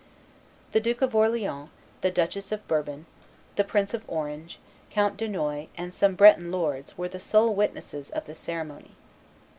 The Duke of Orleans, the Duchess of Bourbon, the Prince of Orange, Count Dunois, and some Breton lords, were the sole witnesses of the ceremony.